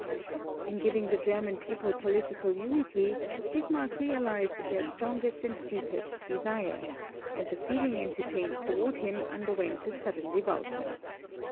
In giving the German people political unity Bismarck realized their strongest and deepest desire; and the feeling entertained toward him underwent a sudden revulsion.